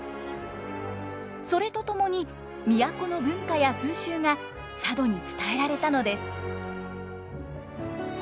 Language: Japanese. それとともに都の文化や風習が佐渡に伝えられたのです。